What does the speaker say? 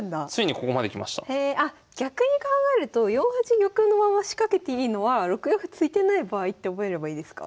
あっ逆に考えると４八玉のまま仕掛けていいのは６四歩突いてない場合って覚えればいいですか？